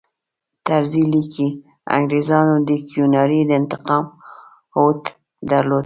طرزي لیکي انګریزانو د کیوناري د انتقام هوډ درلود.